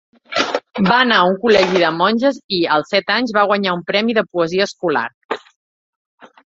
Va anar a un col·legi de monges i, als set anys, va guanyar un premi de poesia escolar.